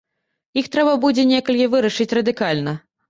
Іх трэба будзе некалі вырашаць радыкальна.